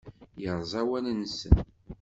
Yerẓa awal-nsen.